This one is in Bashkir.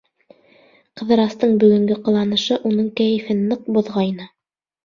Ҡыҙырастың бөгөнгө ҡыланышы уның кәйефен ныҡ боҙғайны.